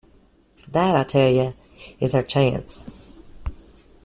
That, I tell you, is our chance.